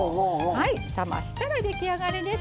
冷ましたら出来上がりです。